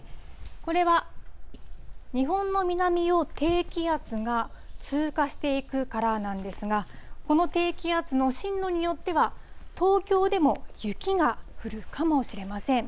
これは日本の南を低気圧が通過していくからなんですが、この低気圧の進路によっては、東京でも雪が降るかもしれません。